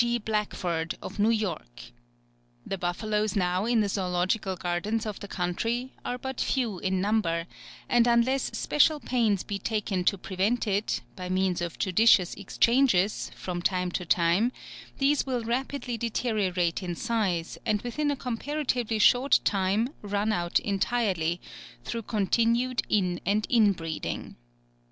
G. Blackford, of New York. The buffaloes now in the Zoological Gardens of the country are but few in number, and unless special pains be taken to prevent it, by means of judicious exchanges, from time to time, these will rapidly deteriorate in size, and within a comparatively short time run out entirely, through continued in and in breeding.